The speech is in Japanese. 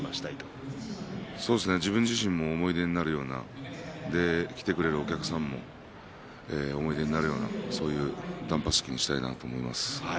自分も思い出になるような来てくれるお客様も思い出になるような、そういう断髪式にしたいなと思います。